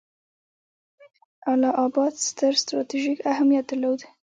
اله اباد ستر ستراتیژیک اهمیت درلود.